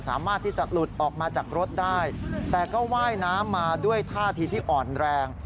สามารถที่จะหลุดออกมาจากรถได้แต่ก็ว่ายน้ำมาด้วยท่าทีที่อ่อนแรง